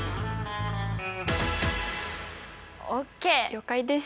了解です。